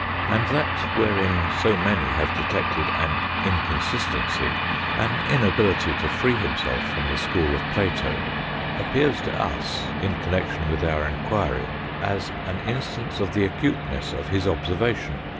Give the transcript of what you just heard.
And that wherein so many have detected an inconsistency, an inability to free himself from the school of Plato, appears to us in connection with our enquiry as an instance of the acuteness of his observation.